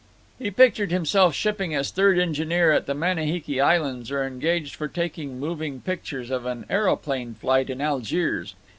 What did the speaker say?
He pictured himself shipping as third engineer at the Manihiki Islands or engaged for taking moving pictures of an aeroplane flight in Algiers.